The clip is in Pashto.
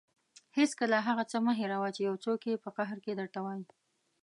هېڅکله هغه څه مه هېروه چې یو څوک یې په قهر کې درته وايي.